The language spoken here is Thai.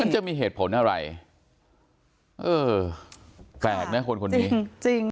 มันจะมีเหตุผลอะไรเออแปลกนะคนคนนี้จริงจริง